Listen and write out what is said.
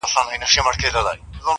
چي كورنۍ يې~